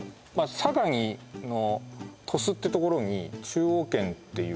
佐賀の鳥栖ってところに中央軒っていう